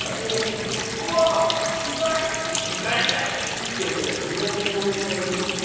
手術を受けた患者さんのお名前って分かりますかね？